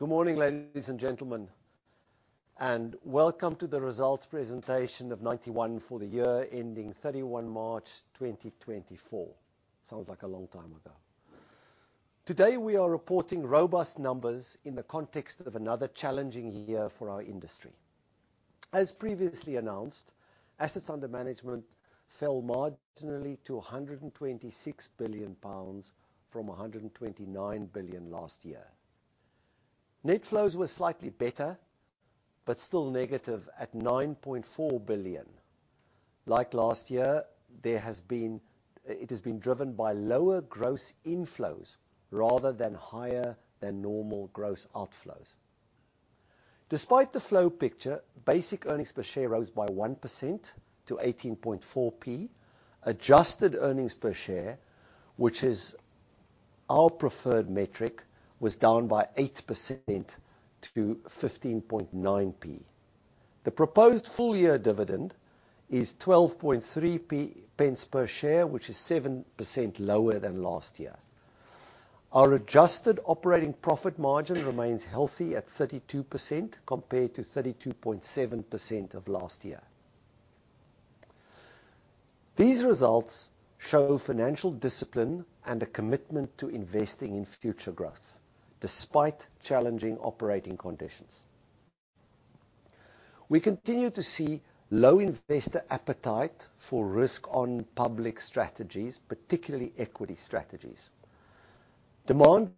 Good morning, ladies and gentlemen, and welcome to the results presentation of Ninety One for the year ending 31 March 2024. Sounds like a long time ago. Today, we are reporting robust numbers in the context of another challenging year for our industry. As previously announced, assets under management fell marginally to 126 billion pounds from 129 billion last year. Net flows were slightly better, but still negative at -9.4 billion. Like last year, it has been driven by lower gross inflows rather than higher than normal gross outflows. Despite the flow picture, basic earnings per share rose by 1% to 18.4p. Adjusted earnings per share, which is our preferred metric, was down by 8% to 15.9p. The proposed full year dividend is 0.123 per share, which is 7% lower than last year. Our adjusted operating profit margin remains healthy at 32%, compared to 32.7% of last year. These results show financial discipline and a commitment to investing in future growth despite challenging operating conditions. We continue to see low investor appetite for risk on public strategies, particularly equity strategies. Demand...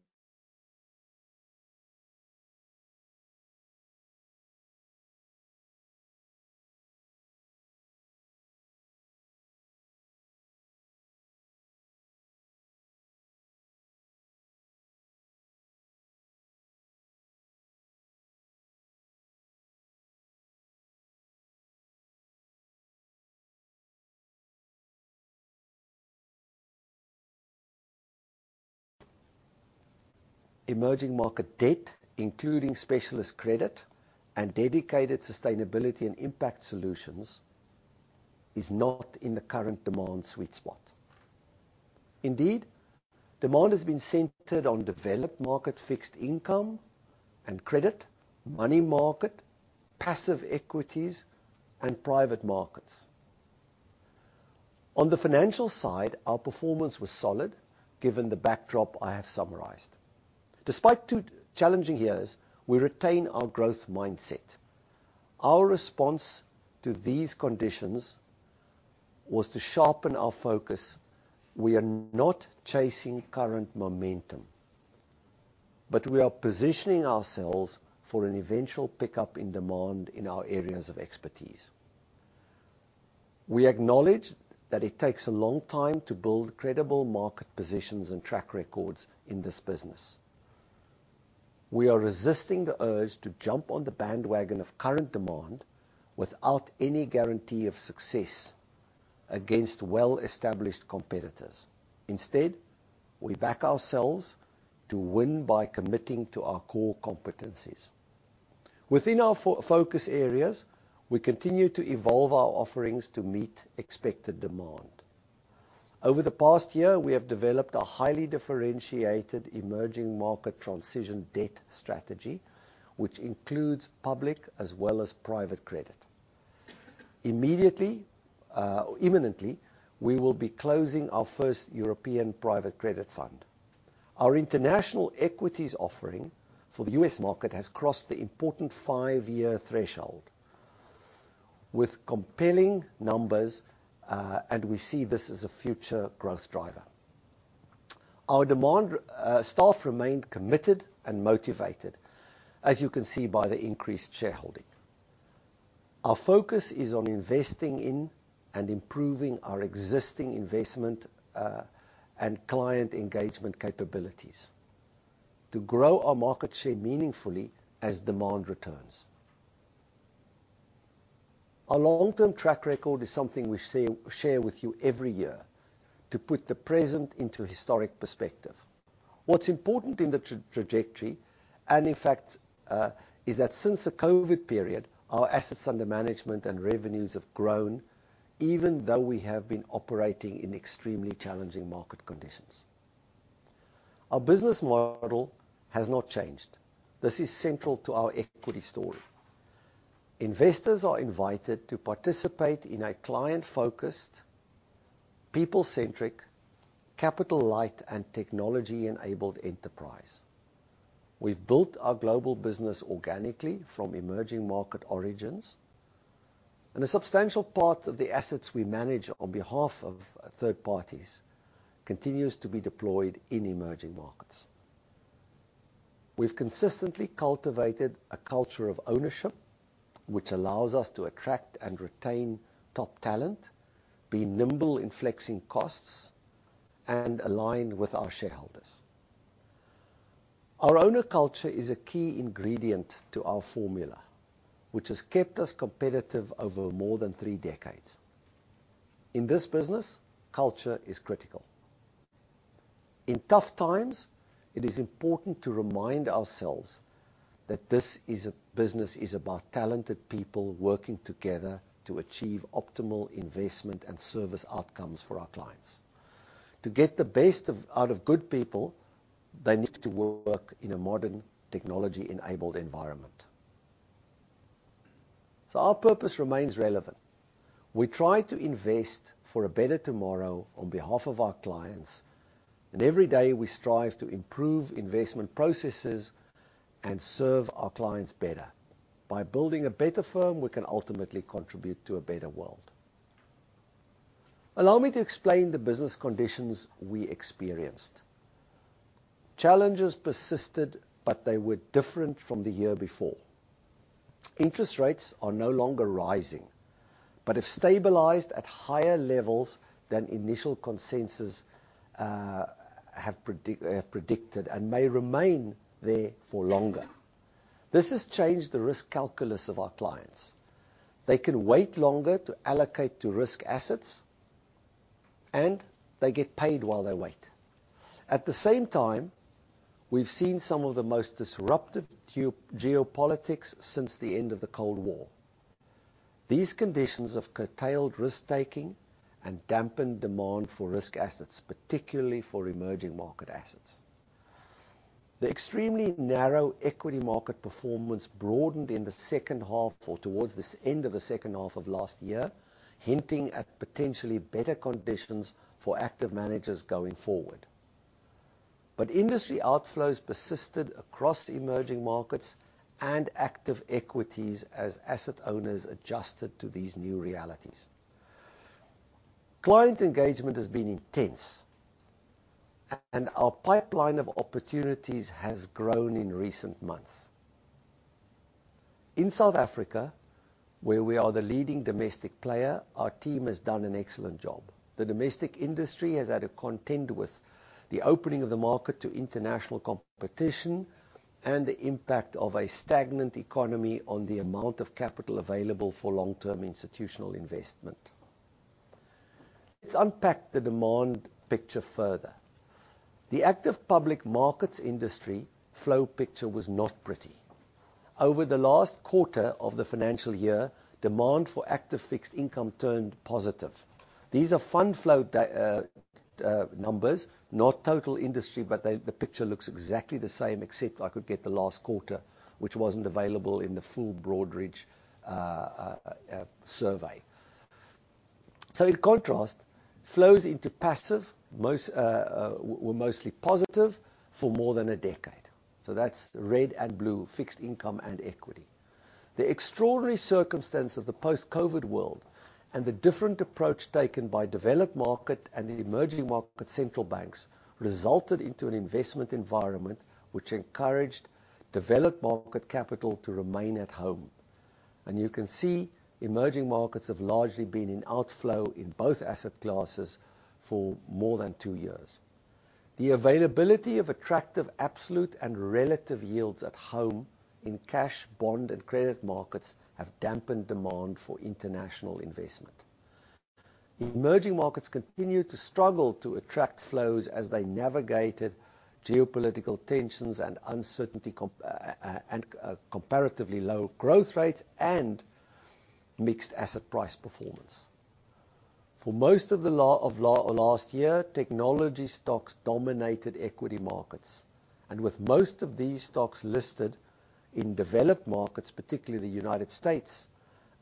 Emerging market debt, including specialist credit and dedicated sustainability and impact solutions, is not in the current demand sweet spot. Indeed, demand has been centered on developed market fixed income and credit, money market, passive equities, and private markets. On the financial side, our performance was solid, given the backdrop I have summarized. Despite two challenging years, we retain our growth mindset. Our response to these conditions was to sharpen our focus. We are not chasing current momentum, but we are positioning ourselves for an eventual pickup in demand in our areas of expertise. We acknowledge that it takes a long time to build credible market positions and track records in this business. We are resisting the urge to jump on the bandwagon of current demand without any guarantee of success against well-established competitors. Instead, we back ourselves to win by committing to our core competencies. Within our focus areas, we continue to evolve our offerings to meet expected demand. Over the past year, we have developed a highly differentiated Emerging Market Transition Debt strategy, which includes public as well as private credit. Immediately, imminently, we will be closing our first European private credit fund. Our international equities offering for the U.S. market has crossed the important five-year threshold with compelling numbers, and we see this as a future growth driver. Our management staff remained committed and motivated, as you can see by the increased shareholding. Our focus is on investing in and improving our existing investment and client engagement capabilities to grow our market share meaningfully as demand returns. Our long-term track record is something we share with you every year to put the present into historic perspective. What's important in the trajectory, and in fact, is that since the Covid period, our assets under management and revenues have grown, even though we have been operating in extremely challenging market conditions. Our business model has not changed. This is central to our equity story. Investors are invited to participate in a client-focused, people-centric, capital-light, and technology-enabled enterprise. We've built our global business organically from emerging market origins, and a substantial part of the assets we manage on behalf of third parties continues to be deployed in emerging markets. We've consistently cultivated a culture of ownership, which allows us to attract and retain top talent, be nimble in flexing costs, and align with our shareholders. Our owner culture is a key ingredient to our formula, which has kept us competitive over more than three decades. In this business, culture is critical. In tough times, it is important to remind ourselves that this is a business, is about talented people working together to achieve optimal investment and service outcomes for our clients. To get the best out of good people, they need to work in a modern technology-enabled environment. So our purpose remains relevant. We try to invest for a better tomorrow on behalf of our clients, and every day we strive to improve investment processes and serve our clients better. By building a better firm, we can ultimately contribute to a better world. Allow me to explain the business conditions we experienced. Challenges persisted, but they were different from the year before. Interest rates are no longer rising, but have stabilized at higher levels than initial consensus have predicted, and may remain there for longer. This has changed the risk calculus of our clients. They can wait longer to allocate to risk assets, and they get paid while they wait. At the same time, we've seen some of the most disruptive geopolitics since the end of the Cold War. These conditions have curtailed risk-taking and dampened demand for risk assets, particularly for emerging market assets. The extremely narrow equity market performance broadened in the second half or towards this end of the second half of last year, hinting at potentially better conditions for active managers going forward. But industry outflows persisted across emerging markets and active equities as asset owners adjusted to these new realities. Client engagement has been intense, and our pipeline of opportunities has grown in recent months. In South Africa, where we are the leading domestic player, our team has done an excellent job. The domestic industry has had to contend with the opening of the market to international competition and the impact of a stagnant economy on the amount of capital available for long-term institutional investment. Let's unpack the demand picture further. The active public markets industry flow picture was not pretty. Over the last quarter of the financial year, demand for active fixed income turned positive. These are fund flow data numbers, not total industry, but they... The picture looks exactly the same, except I could get the last quarter, which wasn't available in the full Broadridge survey. So in contrast, flows into passive were mostly positive for more than a decade. So that's red and blue, fixed income and equity. The extraordinary circumstance of the post-COVID world and the different approach taken by developed market and emerging market central banks resulted into an investment environment which encouraged developed market capital to remain at home. And you can see, emerging markets have largely been in outflow in both asset classes for more than two years. The availability of attractive, absolute, and relative yields at home in cash, bond, and credit markets have dampened demand for international investment. Emerging markets continue to struggle to attract flows as they navigated geopolitical tensions and uncertainty and comparatively low growth rates and mixed asset price performance. For most of the last year, technology stocks dominated equity markets, and with most of these stocks listed in developed markets, particularly the United States,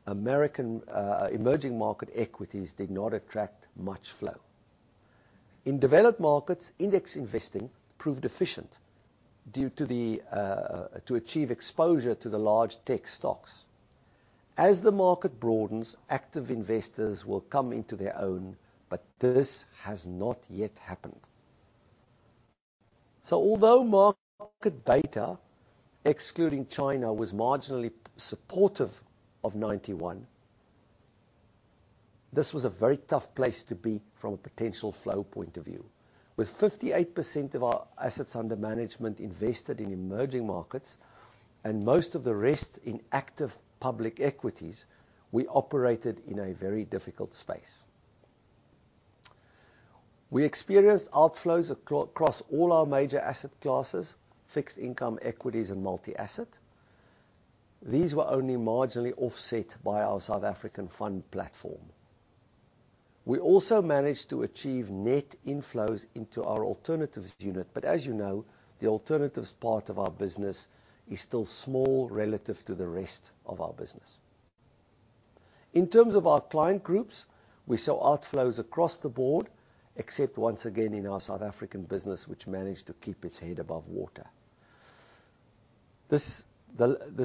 American emerging market equities did not attract much flow. In developed markets, index investing proved efficient due to achieve exposure to the large tech stocks. As the market broadens, active investors will come into their own, but this has not yet happened. So although market data, excluding China, was marginally supportive of Ninety One, this was a very tough place to be from a potential flow point of view. With 58% of our assets under management invested in emerging markets and most of the rest in active public equities, we operated in a very difficult space. We experienced outflows across all our major asset classes: fixed income, equities, and multi-asset. These were only marginally offset by our South African fund platform. We also managed to achieve net inflows into our alternatives unit, but as you know, the alternatives part of our business is still small relative to the rest of our business. In terms of our client groups, we saw outflows across the board, except once again in our South African business, which managed to keep its head above water. This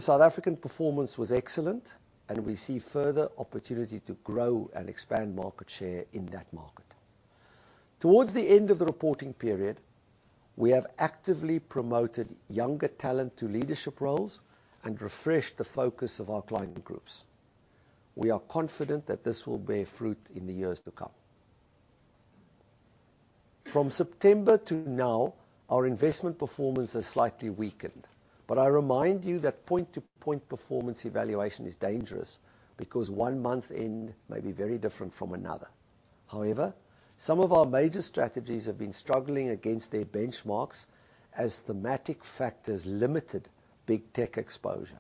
South African performance was excellent, and we see further opportunity to grow and expand market share in that market. Towards the end of the reporting period, we have actively promoted younger talent to leadership roles and refreshed the focus of our client groups. We are confident that this will bear fruit in the years to come. From September to now, our investment performance has slightly weakened, but I remind you that point-to-point performance evaluation is dangerous because one month end may be very different from another. However, some of our major strategies have been struggling against their benchmarks as thematic factors limited big tech exposure....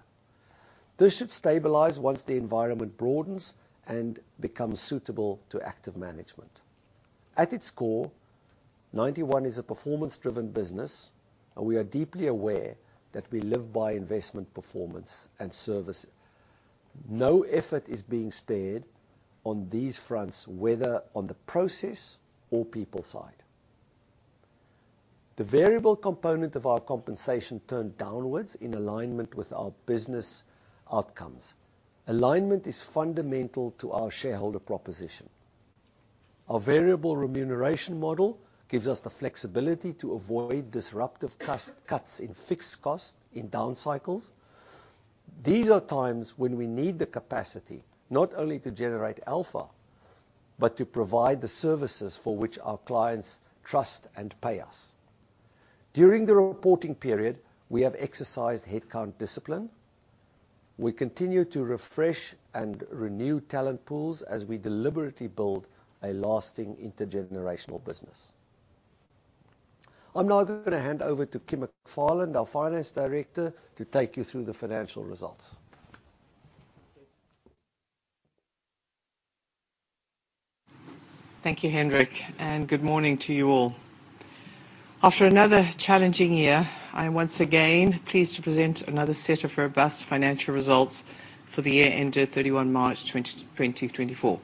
This should stabilize once the environment broadens and becomes suitable to active management. At its core, Ninety One is a performance-driven business, and we are deeply aware that we live by investment performance and service. No effort is being spared on these fronts, whether on the process or people side. The variable component of our compensation turned downwards in alignment with our business outcomes. Alignment is fundamental to our shareholder proposition. Our variable remuneration model gives us the flexibility to avoid disruptive cost cuts in fixed costs in down cycles. These are times when we need the capacity, not only to generate alpha, but to provide the services for which our clients trust and pay us. During the reporting period, we have exercised headcount discipline. We continue to refresh and renew talent pools as we deliberately build a lasting intergenerational business. I'm now going to hand over to Kim McFarland, our finance director, to take you through the financial results. Thank you, Hendrik, and good morning to you all. After another challenging year, I am once again pleased to present another set of robust financial results for the year ended 31 March 2024.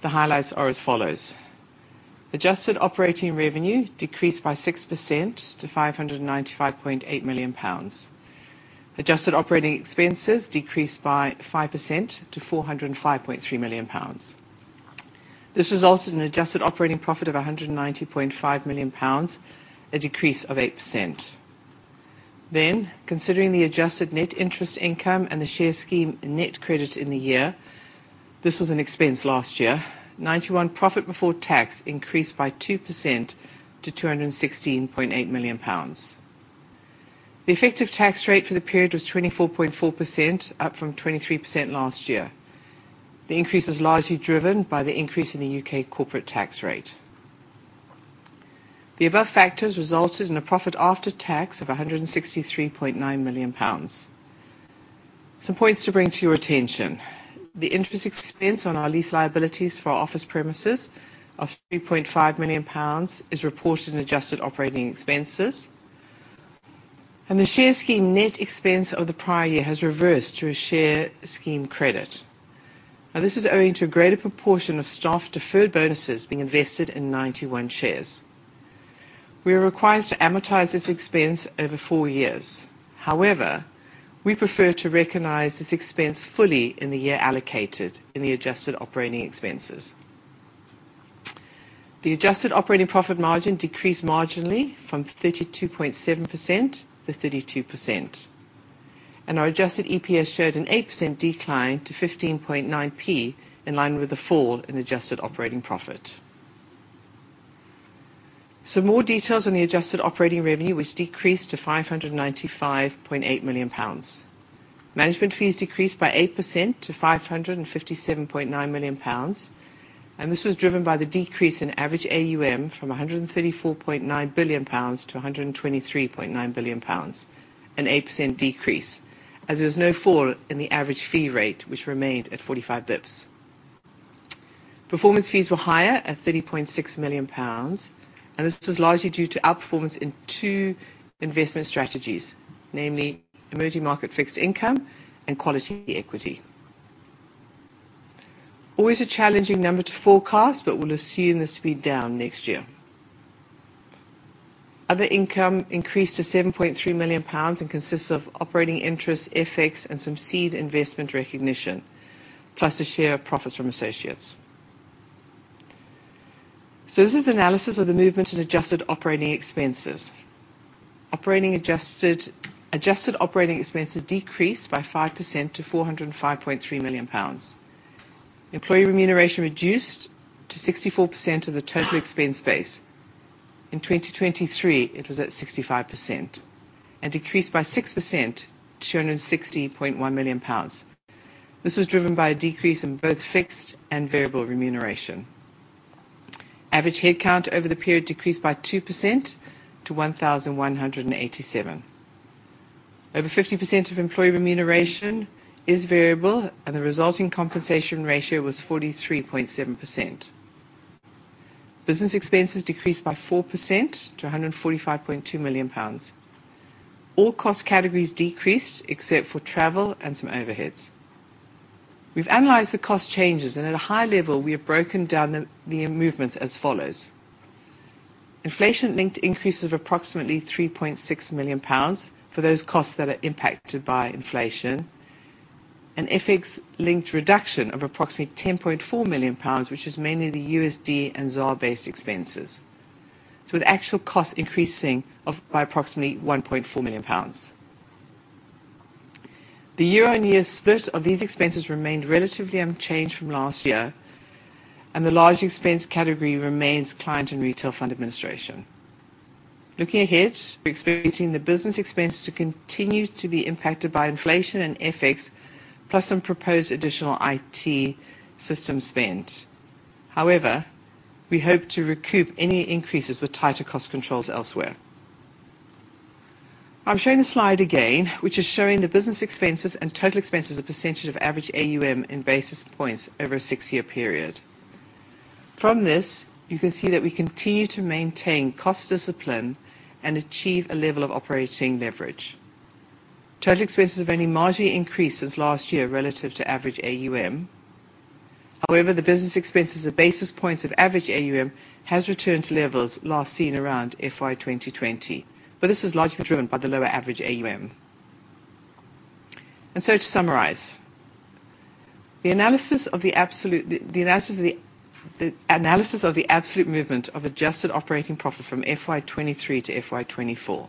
The highlights are as follows: Adjusted operating revenue decreased by 6% to 595.8 million pounds. Adjusted operating expenses decreased by 5% to 405.3 million pounds. This resulted in an adjusted operating profit of 190.5 million pounds, a decrease of 8%. Then, considering the adjusted net interest income and the share scheme net credit in the year, this was an expense last year. Ninety One profit before tax increased by 2% to 216.8 million pounds. The effective tax rate for the period was 24.4%, up from 23% last year. The increase was largely driven by the increase in the U.K. corporate tax rate. The above factors resulted in a profit after tax of 163.9 million pounds. Some points to bring to your attention. The interest expense on our lease liabilities for our office premises of 3.5 million pounds is reported in adjusted operating expenses, and the share scheme net expense of the prior year has reversed to a share scheme credit. Now, this is owing to a greater proportion of staff deferred bonuses being invested in Ninety One shares. We are required to amortize this expense over four years. However, we prefer to recognize this expense fully in the year allocated in the adjusted operating expenses. The adjusted operating profit margin decreased marginally from 32.7% to 32%, and our adjusted EPS showed an 8% decline to 15.9p, in line with the fall in adjusted operating profit. Some more details on the adjusted operating revenue, which decreased to 595.8 million pounds. Management fees decreased by 8% to 557.9 million pounds, and this was driven by the decrease in average AUM from 134.9 billion pounds to 123.9 billion pounds, an 8% decrease, as there was no fall in the average fee rate, which remained at 45 basis points. Performance fees were higher at 30.6 million pounds, and this was largely due to outperformance in two investment strategies, namely Emerging Market Fixed Income and Quality Equity. Always a challenging number to forecast, but we'll assume this to be down next year. Other income increased to 7.3 million pounds and consists of operating interest, FX, and some seed investment recognition, plus a share of profits from associates. So this is analysis of the movement in adjusted operating expenses. Operating adjusted, adjusted operating expenses decreased by 5% to 405.3 million pounds. Employee remuneration reduced to 64% of the total expense base. In 2023, it was at 65% and decreased by 6% to 260.1 million pounds. This was driven by a decrease in both fixed and variable remuneration. Average headcount over the period decreased by 2% to 1,187. Over 50% of employee remuneration is variable, and the resulting compensation ratio was 43.7%. Business expenses decreased by 4% to 145.2 million pounds. All cost categories decreased, except for travel and some overheads. We've analyzed the cost changes, and at a high level, we have broken down the movements as follows: inflation linked increases of approximately 3.6 million pounds for those costs that are impacted by inflation, and FX linked reduction of approximately 10.4 million pounds, which is mainly the USD and ZAR-based expenses. So with actual costs increasing by approximately 1.4 million pounds. The year-on-year split of these expenses remained relatively unchanged from last year, and the large expense category remains client and retail fund administration. Looking ahead, we're expecting the business expenses to continue to be impacted by inflation and FX, plus some proposed additional IT system spend. However, we hope to recoup any increases with tighter cost controls elsewhere. I'm showing the slide again, which is showing the business expenses and total expenses as a percentage of average AUM in basis points over a 6-year period. From this, you can see that we continue to maintain cost discipline and achieve a level of operating leverage. Total expenses have only marginally increased since last year relative to average AUM. However, the business expenses of basis points of average AUM has returned to levels last seen around FY 2020. But this is largely driven by the lower average AUM. And so to summarize, the analysis of the absolute movement of adjusted operating profit from FY 2023 to FY 2024. The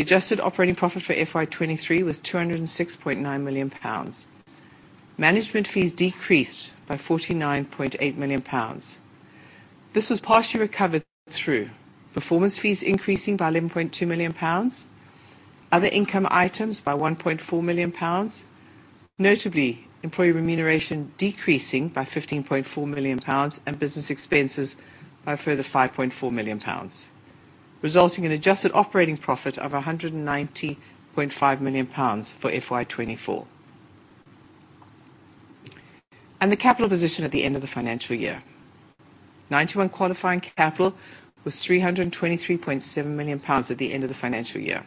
adjusted operating profit for FY 2023 was 206.9 million pounds. Management fees decreased by 49.8 million pounds. This was partially recovered through performance fees increasing by 11.2 million pounds, other income items by 1.4 million pounds, notably, employee remuneration decreasing by 15.4 million pounds, and business expenses by a further 5.4 million pounds, resulting in adjusted operating profit of 190.5 million pounds for FY 2024. The capital position at the end of the financial year. Ninety One qualifying capital was 323.7 million pounds at the end of the financial year.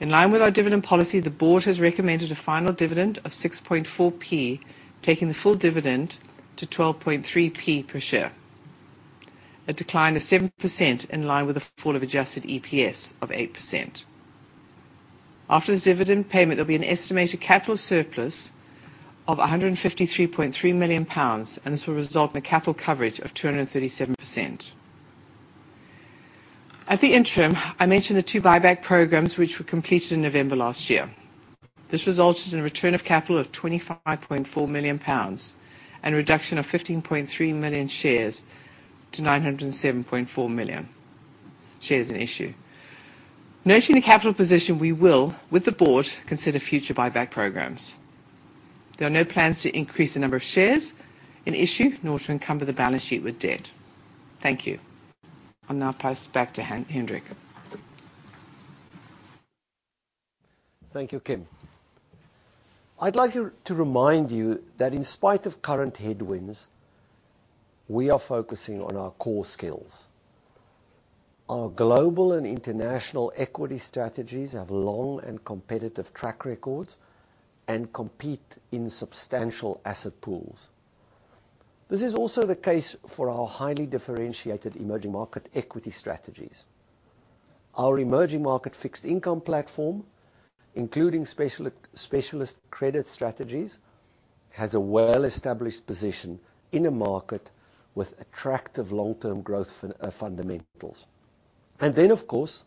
In line with our dividend policy, the board has recommended a final dividend of 0.064, taking the full dividend to 0.123 per share. A decline of 7% in line with the fall of adjusted EPS of 8%. After this dividend payment, there'll be an estimated capital surplus of 153.3 million pounds, and this will result in a capital coverage of 237%. At the interim, I mentioned the two buyback programs, which were completed in November last year. This resulted in a return of capital of 25.4 million pounds and a reduction of 15.3 million shares to 907.4 million shares in issue. Noting the capital position, we will, with the board, consider future buyback programs. There are no plans to increase the number of shares in issue, nor to encumber the balance sheet with debt. Thank you. I'll now pass back to Hendrik. Thank you, Kim. I'd like to remind you that in spite of current headwinds, we are focusing on our core skills. Our global and international equity strategies have long and competitive track records and compete in substantial asset pools. This is also the case for our highly differentiated emerging market equity strategies. Our Emerging Market Fixed Income platform, including special, specialist credit strategies, has a well-established position in a market with attractive long-term growth fundamentals. And then, of course,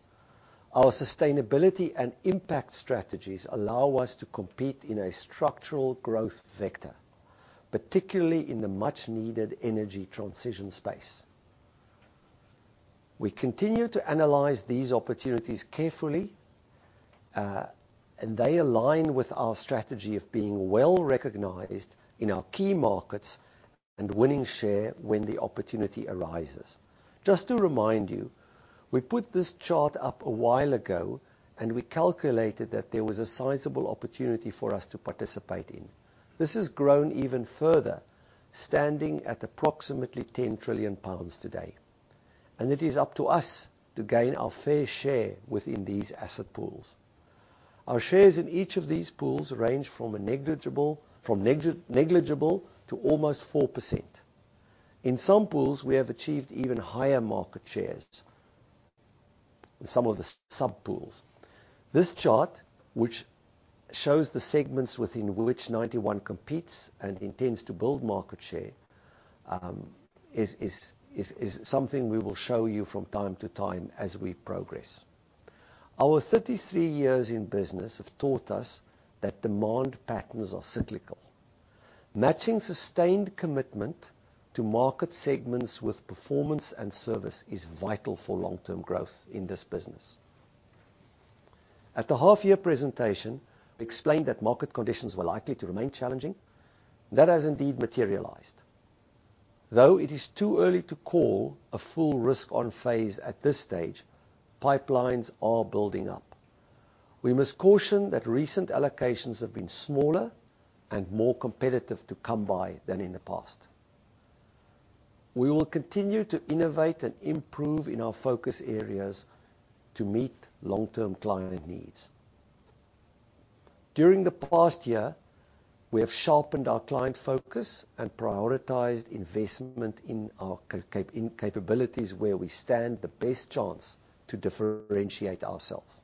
our sustainability and impact strategies allow us to compete in a structural growth vector, particularly in the much needed energy transition space. We continue to analyze these opportunities carefully, and they align with our strategy of being well-recognized in our key markets and winning share when the opportunity arises. Just to remind you, we put this chart up a while ago, and we calculated that there was a sizable opportunity for us to participate in. This has grown even further, standing at approximately 10 trillion pounds today, and it is up to us to gain our fair share within these asset pools. Our shares in each of these pools range from a negligible to almost 4%. In some pools, we have achieved even higher market shares, in some of the sub-pools. This chart, which shows the segments within which Ninety One competes and intends to build market share, is something we will show you from time to time as we progress. Our 33 years in business have taught us that demand patterns are cyclical. Matching sustained commitment to market segments with performance and service is vital for long-term growth in this business. At the half-year presentation, we explained that market conditions were likely to remain challenging. That has indeed materialized. Though it is too early to call a full risk on phase at this stage, pipelines are building up. We must caution that recent allocations have been smaller and more competitive to come by than in the past. We will continue to innovate and improve in our focus areas to meet long-term client needs. During the past year, we have sharpened our client focus and prioritized investment in our capabilities, where we stand the best chance to differentiate ourselves.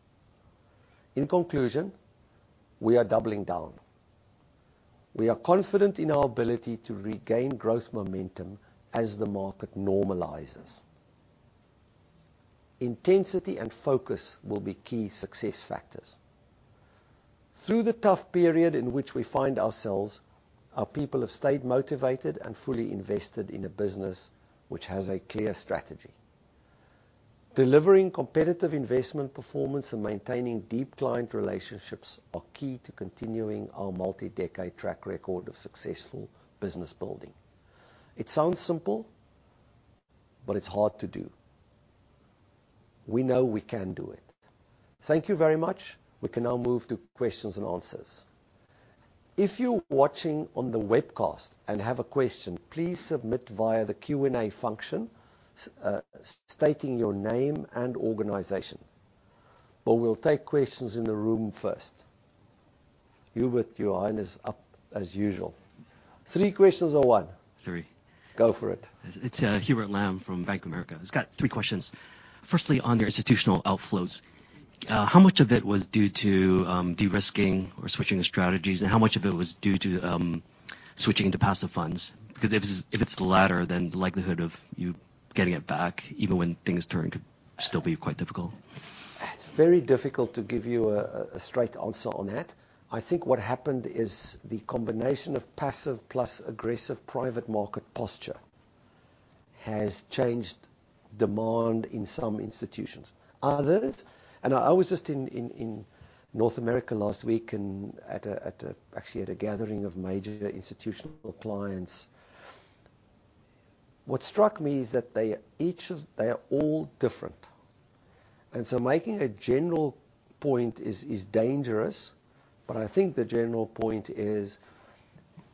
In conclusion, we are doubling down. We are confident in our ability to regain growth momentum as the market normalizes. Intensity and focus will be key success factors. Through the tough period in which we find ourselves, our people have stayed motivated and fully invested in a business which has a clear strategy. Delivering competitive investment performance and maintaining deep client relationships are key to continuing our multi-decade track record of successful business building. It sounds simple, but it's hard to do. We know we can do it. Thank you very much. We can now move to questions and answers. If you're watching on the webcast and have a question, please submit via the Q&A function, stating your name and organization. But we'll take questions in the room first. Hubert, your hand is up, as usual. Three questions or one? Three. Go for it. It's Hubert Lam from Bank of America. Just got three questions. Firstly, on your institutional outflows, how much of it was due to de-risking or switching the strategies, and how much of it was due to switching into passive funds? Because if it's the latter, then the likelihood of you getting it back, even when things turn, could still be quite difficult. It's very difficult to give you a straight answer on that. I think what happened is the combination of passive plus aggressive private market posture has changed demand in some institutions. Others... And I was just in North America last week, and actually at a gathering of major institutional clients. What struck me is that they each are all different. And so making a general point is dangerous, but I think the general point is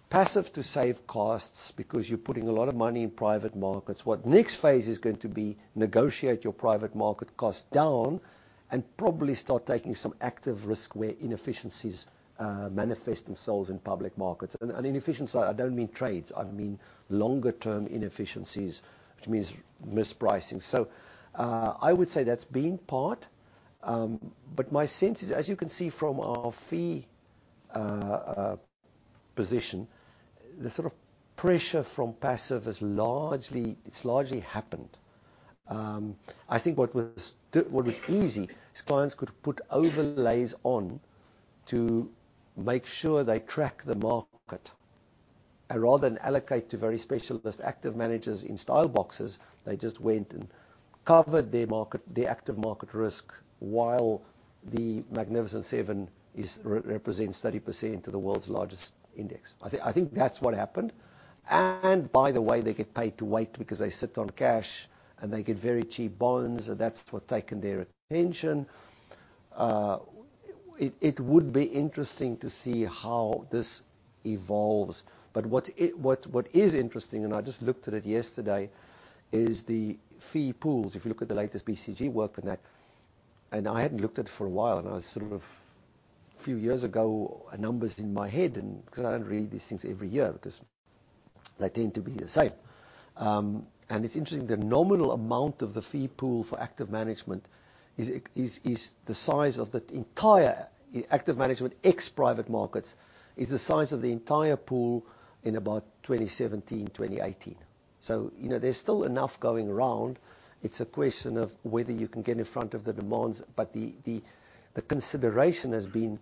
passive to save costs because you're putting a lot of money in private markets. What next phase is going to be, negotiate your private market costs down and probably start taking some active risk where inefficiencies manifest themselves in public markets. And inefficiency, I don't mean trades, I mean longer term inefficiencies, which means mispricing. So, I would say that's been part, but my sense is, as you can see from our fee position, the sort of pressure from passive is largely, it's largely happened. I think what was easy, is clients could put overlays on to make sure they track the market, and rather than allocate to very specialist active managers in style boxes, they just went and covered their market, the active market risk, while the Magnificent Seven is, represents 30% to the world's largest index. I think, I think that's what happened. And by the way, they get paid to wait because they sit on cash, and they get very cheap bonds, and that's what taken their attention. It would be interesting to see how this evolves. But what's interesting, and I just looked at it yesterday, is the fee pools, if you look at the latest BCG work on that. And I hadn't looked at it for a while, and I was sort of few years ago numbers in my head, and because I don't read these things every year because they tend to be the same. And it's interesting, the nominal amount of the fee pool for active management is the size of the entire active management, ex-private markets, is the size of the entire pool in about 2017, 2018. So, you know, there's still enough going around. It's a question of whether you can get in front of the demands, but the consideration has been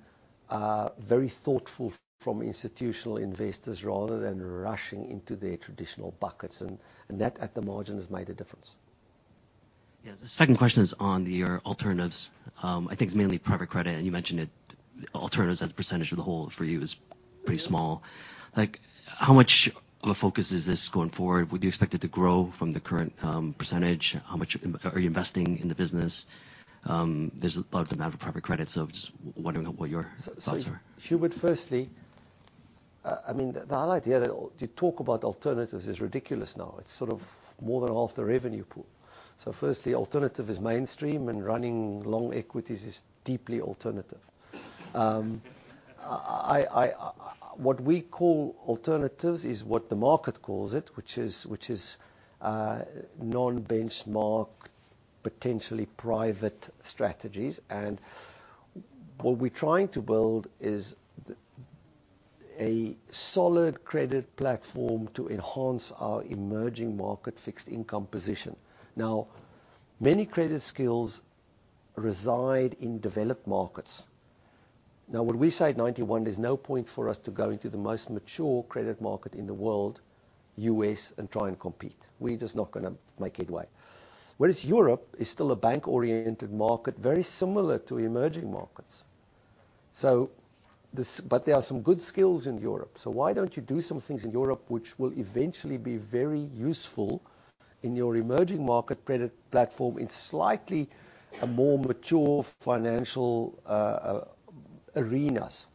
very thoughtful from institutional investors rather than rushing into their traditional buckets, and that, at the margin, has made a difference. Yeah. The second question is on your alternatives. I think it's mainly private credit, and you mentioned it, alternatives as a percentage of the whole for you is pretty small. Like, how much of a focus is this going forward? Would you expect it to grow from the current, percentage? How much are you investing in the business? There's a lot of amount of private credit, so just wondering what your thoughts are. So Hubert, firstly, I mean, the whole idea that to talk about alternatives is ridiculous now. It's sort of more than half the revenue pool. So firstly, alternative is mainstream, and running long equities is deeply alternative. What we call alternatives is what the market calls it, which is non-benchmark, potentially private strategies. And what we're trying to build is a solid credit platform to enhance our Emerging Market Fixed Income position. Now, many credit skills reside in developed markets. Now, when we say Ninety One, there's no point for us to go into the most mature credit market in the world, U.S., and try and compete. We're just not gonna make headway. Whereas Europe is still a bank-oriented market, very similar to emerging markets. So this... But there are some good skills in Europe, so why don't you do some things in Europe which will eventually be very useful in your emerging market credit platform in a slightly more mature financial arenas?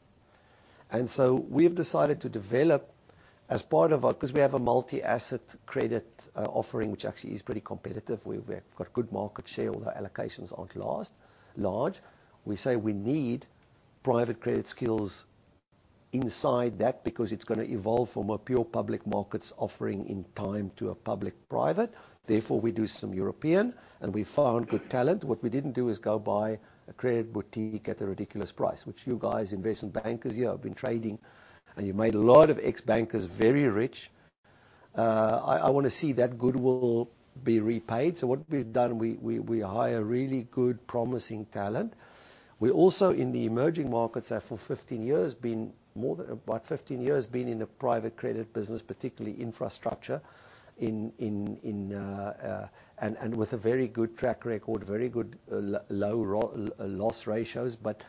And so we have decided to develop, as part of our, because we have a multi-asset credit offering, which actually is pretty competitive. We've got good market share, although allocations aren't that large. We say we need private credit skills inside that, because it's gonna evolve from a pure public markets offering in time to a public-private. Therefore, we do some European, and we found good talent. What we didn't do is go buy a credit boutique at a ridiculous price, which you guys, investment bankers here, have been trading, and you made a lot of ex-bankers very rich. I wanna see that goodwill be repaid. So what we've done, we hire really good, promising talent. We're also in the emerging markets for 15 years, been more than about 15 years, been in the private credit business, particularly infrastructure, and with a very good track record, very good low loss ratios, but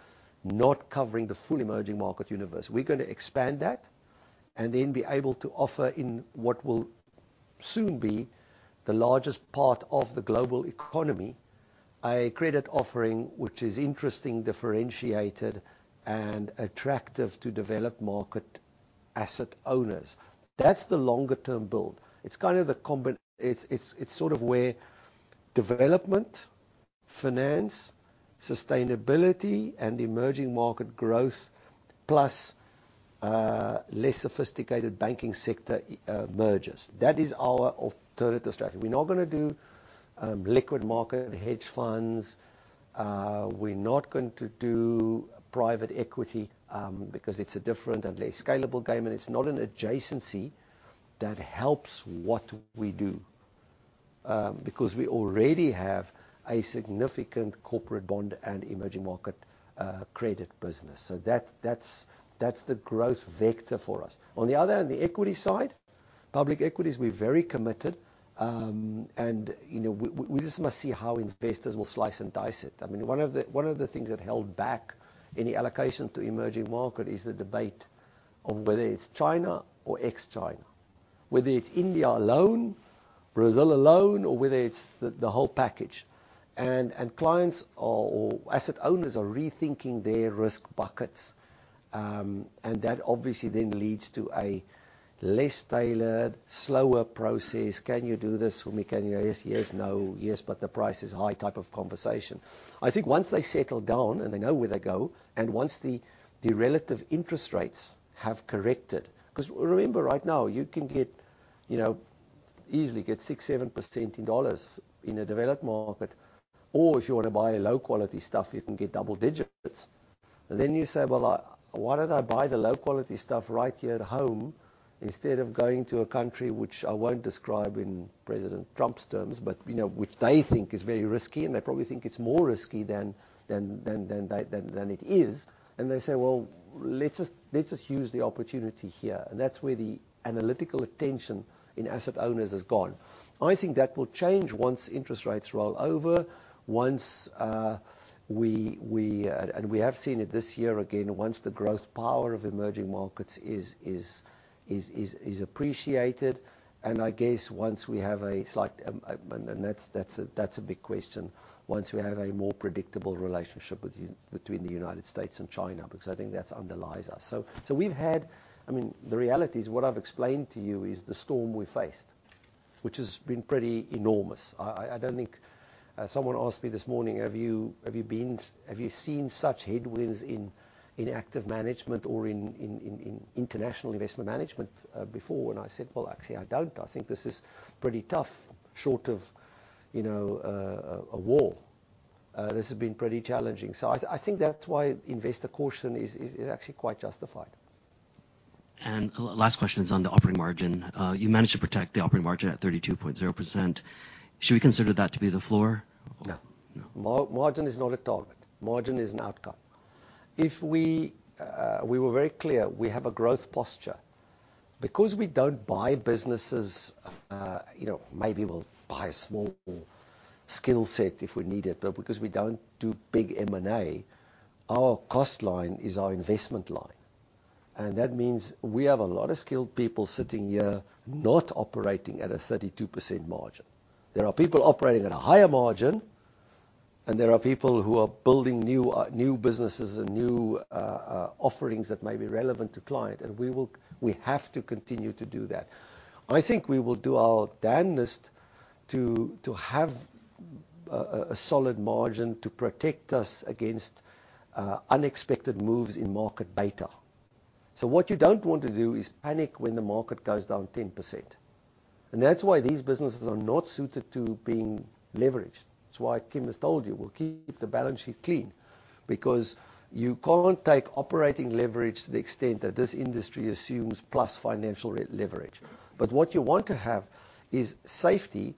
not covering the full emerging market universe. We're gonna expand that, and then be able to offer in what will soon be the largest part of the global economy, a credit offering, which is interesting, differentiated, and attractive to developed market asset owners. That's the longer term build. It's kind of the combination. It's sort of where development finance, sustainability, and emerging market growth, plus less sophisticated banking sector, merges. That is our alternative strategy. We're not gonna do liquid market hedge funds. We're not going to do private equity, because it's a different and less scalable game, and it's not an adjacency that helps what we do. Because we already have a significant corporate bond and emerging market credit business. So that's the growth vector for us. On the other, on the equity side, public equities, we're very committed. And, you know, we just must see how investors will slice and dice it. I mean, one of the things that held back any allocation to emerging market is the debate of whether it's China or ex-China. Whether it's India alone, Brazil alone, or whether it's the whole package. And clients or asset owners are rethinking their risk buckets, and that obviously then leads to a less tailored, slower process. "Can you do this for me? Can you... Yes, yes, no. Yes, but the price is high," type of conversation. I think once they settle down, and they know where they go, and once the relative interest rates have corrected... 'Cause remember, right now, you can get, you know, easily get 6%-7% in dollars in a developed market, or if you want to buy low-quality stuff, you can get double digits. And then you say, "Well, why don't I buy the low-quality stuff right here at home, instead of going to a country," which I won't describe in President Trump's terms, but, you know, which they think is very risky, and they probably think it's more risky than it is. And they say, "Well, let's just use the opportunity here." And that's where the analytical attention in asset owners has gone. I think that will change once interest rates roll over. Once we have seen it this year again, once the growth power of emerging markets is appreciated, and I guess once we have a slight, and that's a big question, once we have a more predictable relationship between the United States and China, because I think that underlies us. So we've had. I mean, the reality is, what I've explained to you is the storm we faced, which has been pretty enormous. I don't think. Someone asked me this morning: Have you seen such headwinds in active management or in international investment management before? I said, "Well, actually, I don't." I think this is pretty tough, short of, you know, a war. This has been pretty challenging. So I think that's why investor caution is actually quite justified. Last question is on the operating margin. You managed to protect the operating margin at 32.0%. Should we consider that to be the floor? No. No. Margin is not a target. Margin is an outcome. If we, we were very clear, we have a growth posture. Because we don't buy businesses, you know, maybe we'll buy a small skill set if we need it, but because we don't do big M&A, our cost line is our investment line. And that means we have a lot of skilled people sitting here, not operating at a 32% margin. There are people operating at a higher margin, and there are people who are building new, new businesses and new, offerings that may be relevant to client, and we will, we have to continue to do that. I think we will do our damnedest to, to have, a, a solid margin to protect us against, unexpected moves in market beta. So what you don't want to do is panic when the market goes down 10%, and that's why these businesses are not suited to being leveraged. It's why Kim has told you, "We'll keep the balance sheet clean." Because you can't take operating leverage to the extent that this industry assumes plus financial re-leverage. But what you want to have is safety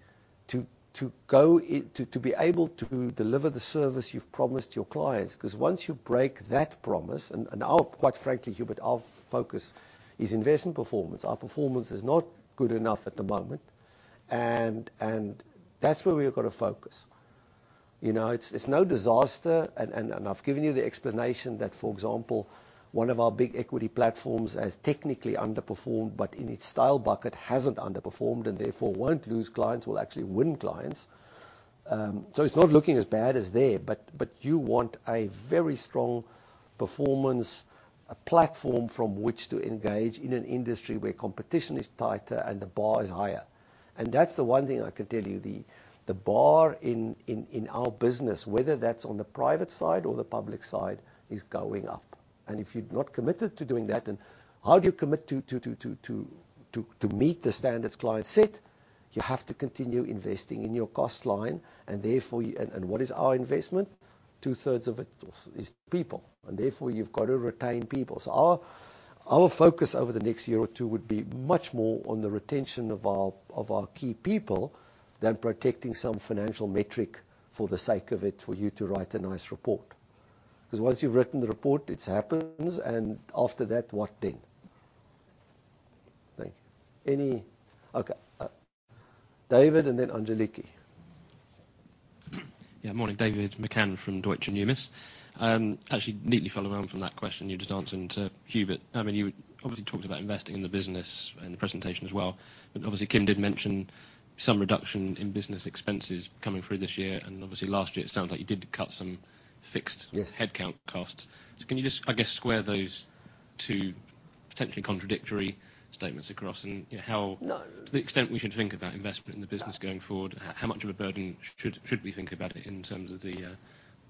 to go in to be able to deliver the service you've promised your clients, 'cause once you break that promise... And our, quite frankly, Hubert, our focus is investment performance. Our performance is not good enough at the moment. And that's where we've got to focus. You know, it's no disaster. And I've given you the explanation that, for example, one of our big equity platforms has technically underperformed, but in its style bucket, hasn't underperformed, and therefore, won't lose clients; we'll actually win clients. So it's not looking as bad as there, but you want a very strong performance, a platform from which to engage in an industry where competition is tighter and the bar is higher. And that's the one thing I could tell you, the bar in our business, whether that's on the private side or the public side, is going up. And if you're not committed to doing that, then how do you commit to meet the standards clients set? You have to continue investing in your cost line, and therefore, you... And what is our investment? Two-thirds of it is people, and therefore, you've got to retain people. So our focus over the next year or two would be much more on the retention of our key people than protecting some financial metric for the sake of it, for you to write a nice report... 'cause once you've written the report, it happens, and after that, what then? Thank you. Any-- Okay, David, and then Angeliki. Yeah. Morning. David McCann from Deutsche Numis. Actually neatly follow along from that question you just answered to Hubert. I mean, you obviously talked about investing in the business in the presentation as well, but obviously, Kim did mention some reduction in business expenses coming through this year, and obviously last year, it sounds like you did cut some fixed- Yes Headcount costs. So can you just, I guess, square those two potentially contradictory statements across? And, you know, how- No. To the extent we should think about investment in the business going forward, how much of a burden should we think about it in terms of the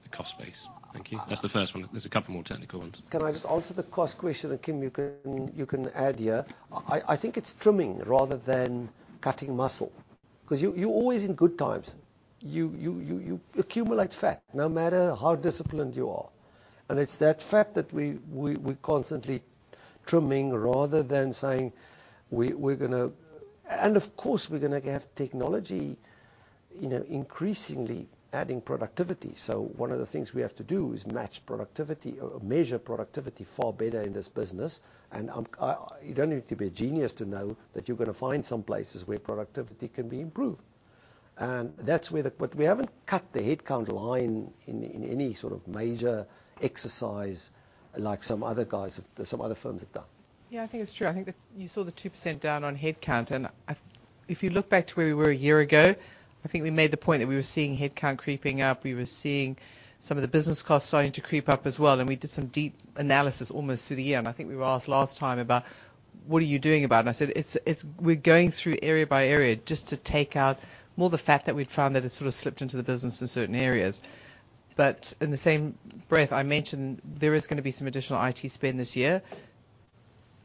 cost base? Thank you. That's the first one. There's a couple more technical ones. Can I just answer the cost question, and, Kim, you can add here? I think it's trimming rather than cutting muscle. 'Cause you always in good times, you accumulate fat, no matter how disciplined you are. And it's that fat that we're constantly trimming rather than saying we're gonna... And of course, we're gonna have technology, you know, increasingly adding productivity. So one of the things we have to do is match productivity or measure productivity far better in this business. And you don't need to be a genius to know that you're gonna find some places where productivity can be improved. And that's where the, but we haven't cut the headcount line in any sort of major exercise like some other guys, some other firms have done. Yeah, I think it's true. I think that you saw the 2% down on headcount, and I, if you look back to where we were a year ago, I think we made the point that we were seeing headcount creeping up. We were seeing some of the business costs starting to creep up as well, and we did some deep analysis almost through the year. I think we were asked last time about, "What are you doing about it?" I said, "It's, we're going through area by area just to take out more the fat that we'd found, that it sort of slipped into the business in certain areas." But in the same breath, I mentioned there is gonna be some additional IT spend this year.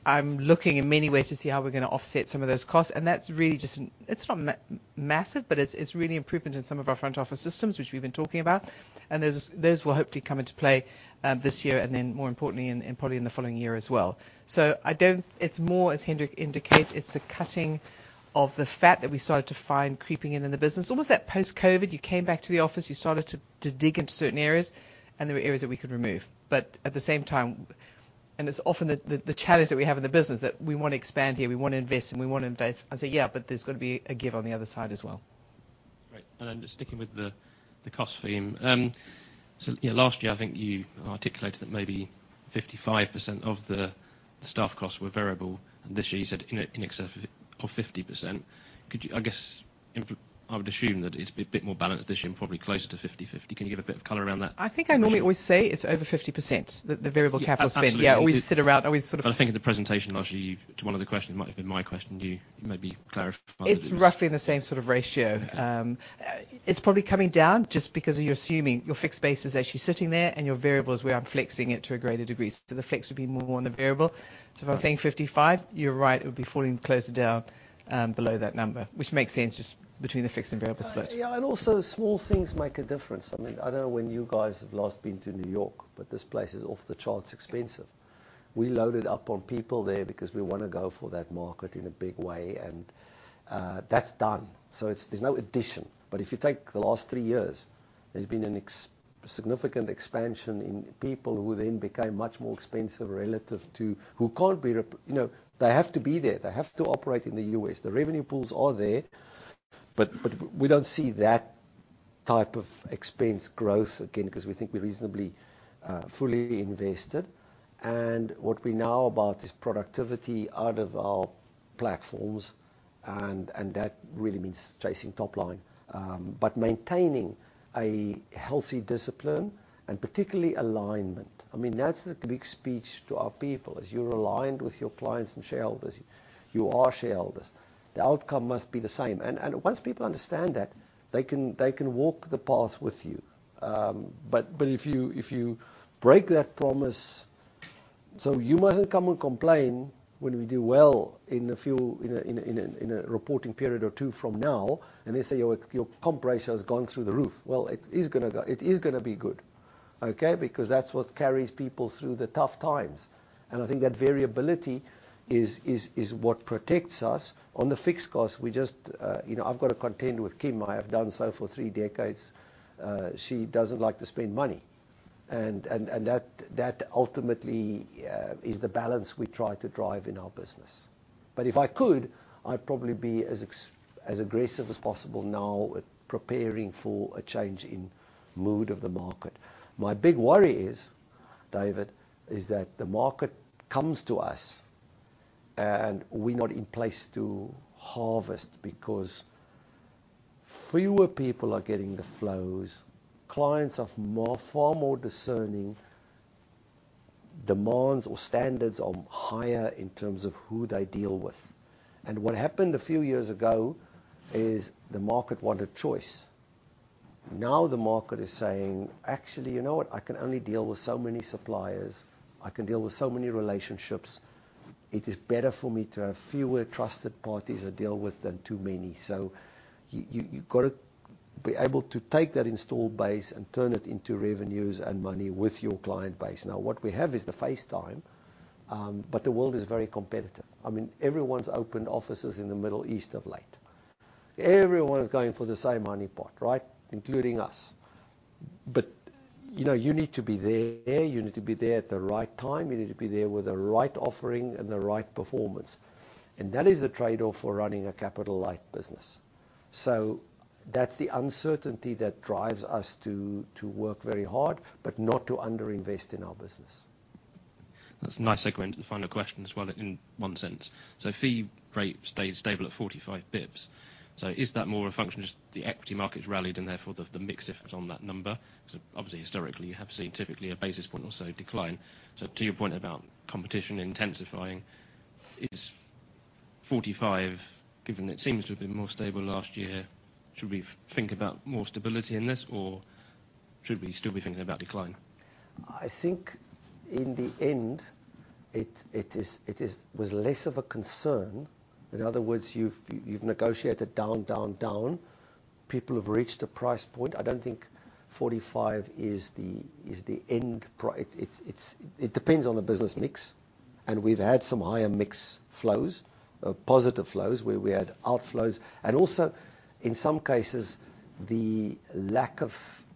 I'm looking in many ways to see how we're gonna offset some of those costs, and that's really just, it's not massive, but it's, it's really improvement in some of our front-office systems, which we've been talking about. And those, those will hopefully come into play, this year and then, more importantly, and probably in the following year as well. So I don't... It's more, as Hendrik indicates, it's a cutting of the fat that we started to find creeping in in the business. Almost that post-COVID, you came back to the office, you started to, to dig into certain areas, and there were areas that we could remove. But at the same time, and it's often the, the, the challenge that we have in the business, that we wanna expand here, we wanna invest, and we wanna invest. I say, "Yeah, but there's got to be a give on the other side as well. Great. And then just sticking with the cost theme. So, yeah, last year, I think you articulated that maybe 55% of the staff costs were variable, and this year you said in excess of 50%. Could you... I guess, I would assume that it's a bit more balanced this year, probably closer to 50/50. Can you give a bit of color around that? I think I normally always say it's over 50%, the variable capital spend. Absolutely. Yeah, we sit around. We sort of- I think in the presentation last year, you, to one of the questions, might have been my question, you maybe clarified it. It's roughly the same sort of ratio. Okay. It's probably coming down just because you're assuming your fixed base is actually sitting there and your variable is where I'm flexing it to a greater degree. So the fixed would be more on the variable. Right. If I'm saying 55, you're right, it would be falling closer down below that number, which makes sense, just between the fixed and variable split. Yeah, and also small things make a difference. I mean, I don't know when you guys have last been to New York, but this place is off the charts expensive. We loaded up on people there because we wanna go for that market in a big way, and, that's done. So it's, there's no addition. But if you take the last three years, there's been a significant expansion in people who then became much more expensive relative to who can't be replaced. You know, they have to be there. They have to operate in the U.S. The revenue pools are there, but, but we don't see that type of expense growth again, 'cause we think we're reasonably, fully invested. And what we know about is productivity out of our platforms, and, and that really means chasing top line, but maintaining a healthy discipline and particularly alignment. I mean, that's the big speech to our people, as you're aligned with your clients and shareholders, you are shareholders. The outcome must be the same. And once people understand that, they can walk the path with you. But if you break that promise, so you mustn't come and complain when we do well in a few in a reporting period or two from now, and they say, "Your comp ratio has gone through the roof." Well, it is gonna go. It is gonna be good, okay? Because that's what carries people through the tough times. And I think that variability is what protects us. On the fixed cost, we just, you know, I've got to contend with Kim. I have done so for three decades. She doesn't like to spend money, and that ultimately is the balance we try to drive in our business. But if I could, I'd probably be as aggressive as possible now with preparing for a change in mood of the market. My big worry is, David, that the market comes to us, and we're not in place to harvest because fewer people are getting the flows. Clients are more, far more discerning. Demands or standards are higher in terms of who they deal with. And what happened a few years ago is the market wanted choice. Now, the market is saying: "Actually, you know what? I can only deal with so many suppliers. I can deal with so many relationships. It is better for me to have fewer trusted parties I deal with than too many." So you've got to be able to take that installed base and turn it into revenues and money with your client base. Now, what we have is the face time, but the world is very competitive. I mean, everyone's opened offices in the Middle East of late... everyone is going for the same honey pot, right? Including us. But, you know, you need to be there. You need to be there at the right time. You need to be there with the right offering and the right performance, and that is the trade-off for running a capital light business. So that's the uncertainty that drives us to work very hard, but not to under-invest in our business. That's a nice segue into the final question as well, in one sense. So fee rate stayed stable at 45 bps. So is that more a function, just the equity market has rallied and therefore the mix effect on that number? Because obviously, historically, you have seen typically a basis point or so decline. So to your point about competition intensifying, is 45, given it seems to have been more stable last year, should we think about more stability in this, or should we still be thinking about decline? I think in the end, it is, it was less of a concern. In other words, you've negotiated down, down, down. People have reached a price point. I don't think 45 is the end pri-- It's-- It depends on the business mix, and we've had some higher mix flows, positive flows, where we had outflows. And also, in some cases, the lack of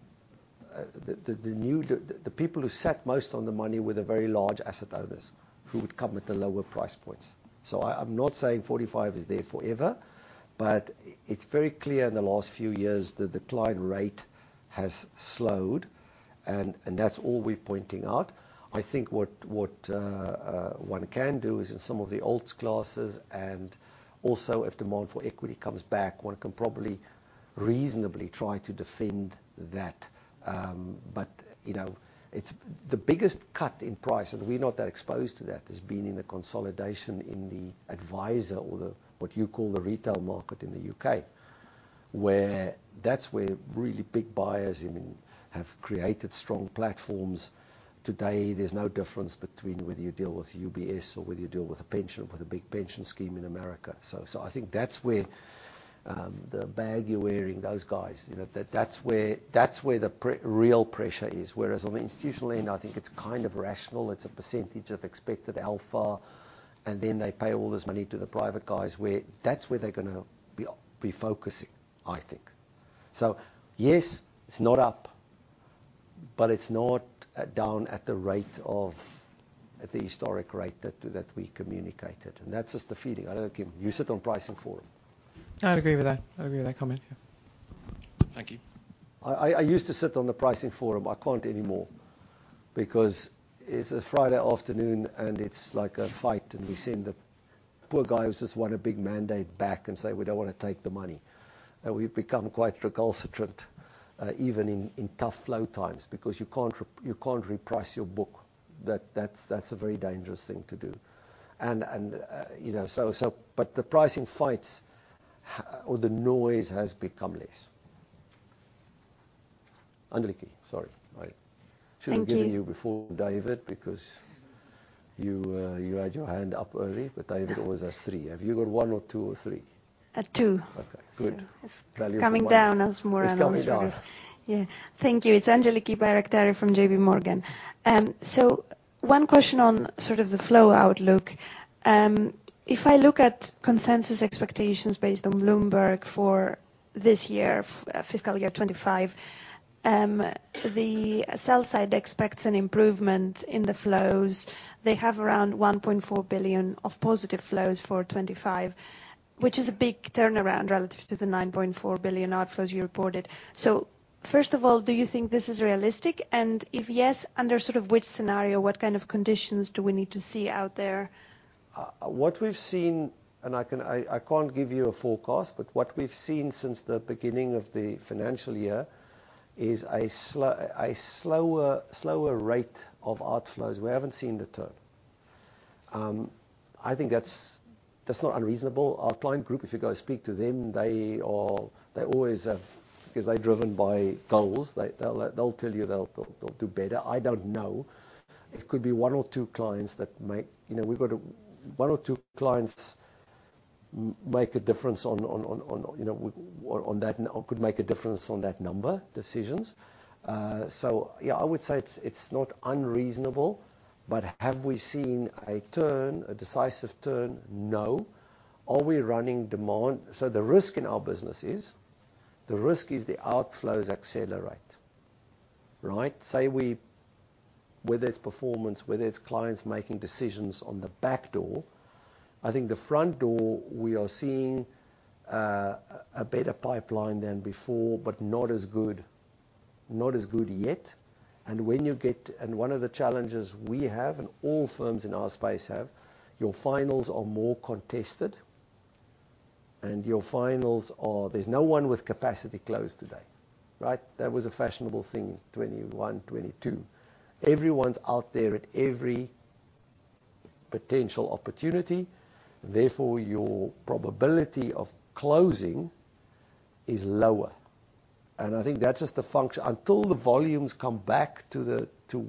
the new, the people who sat most on the money were the very large asset owners, who would come with the lower price points. So I'm not saying 45 is there forever, but it's very clear in the last few years, the decline rate has slowed, and that's all we're pointing out. I think one can do is in some of the alts classes, and also if demand for equity comes back, one can probably reasonably try to defend that. But, you know, it's. The biggest cut in price, and we're not that exposed to that, has been in the consolidation in the advisor or the, what you call the retail market in the U.K., where that's where really big buyers, I mean, have created strong platforms. Today there's no difference between whether you deal with UBS or whether you deal with a pension, with a big pension scheme in America. So I think that's where the bag you're wearing, those guys, you know, that's where that's where the real pressure is. Whereas on the institutional end, I think it's kind of rational. It's a percentage of expected alpha, and then they pay all this money to the private guys, where that's where they're gonna be focusing, I think. So yes, it's not up, but it's not down at the rate of the historic rate that we communicated, and that's just the feeling. I don't know, Kim, you sit on Pricing Forum. I'd agree with that. I'd agree with that comment, yeah. Thank you. I used to sit on the Pricing Forum. I can't anymore because it's a Friday afternoon, and it's like a fight, and we send the poor guy who's just won a big mandate back and say, "We don't want to take the money." And we've become quite recalcitrant even in tough flow times, because you can't reprice your book. That's a very dangerous thing to do. And you know, so... But the pricing fights or the noise has become less. Angeliki, sorry, I- Thank you. Should have given you before, David, because you, you had your hand up early, but David was as three. Have you got one or two or three? Uh, two. Okay, good. It's coming down as more analysis. It's coming down. Yeah. Thank you. It's Angeliki Bairaktari from JPMorgan. So one question on sort of the flow outlook. If I look at consensus expectations based on Bloomberg for this year, fiscal year 2025, the sell side expects an improvement in the flows. They have around $1.4 billion of positive flows for 2025, which is a big turnaround relative to the $9.4 billion outflows you reported. So first of all, do you think this is realistic? And if yes, under sort of which scenario, what kind of conditions do we need to see out there? What we've seen, and I can't give you a forecast, but what we've seen since the beginning of the financial year is a slower rate of outflows. We haven't seen the turn. I think that's not unreasonable. Our client group, if you go speak to them, they are, they always have, because they're driven by goals, they'll tell you they'll do better. I don't know. It could be one or two clients that make a difference. You know, we've got one or two clients make a difference on that, you know, on that, could make a difference on that number decisions. So yeah, I would say it's not unreasonable, but have we seen a turn, a decisive turn? No. Are we running demand? So the risk in our business is, the risk is the outflows accelerate, right? Say we, whether it's performance, whether it's clients making decisions on the back door, I think the front door, we are seeing a better pipeline than before, but not as good, not as good yet. And one of the challenges we have, and all firms in our space have, your finals are more contested, and your finals are, there's no one with capacity closed today, right? That was a fashionable thing, 2021, 2022. Everyone's out there at every potential opportunity. Therefore, your probability of closing is lower. And I think that's just a function. Until the volumes come back to the, to